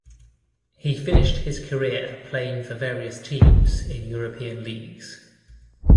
He finished his career playing for various teams in European leagues.